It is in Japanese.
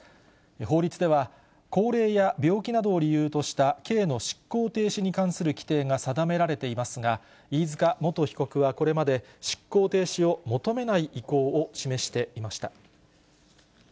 法律では、高齢や病気などを理由とした刑の執行停止に関する規定が定められていますが、飯塚元被告はこれまで執行停止を求めない意向を示していました。